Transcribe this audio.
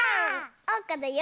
おうかだよ！